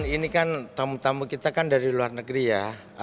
ini kan tamu tamu kita kan dari luar negeri ya